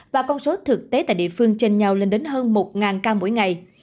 và con số thực tế tại địa phương trên nhau lên đến hơn một ca mỗi ngày